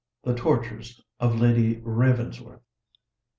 THE TORTURES OF LADY RAVENSWORTH.